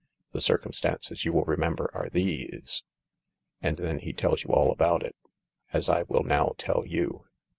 The circum stances, you will reniember, are these .. And then he tells you all about it. As I will now tell you.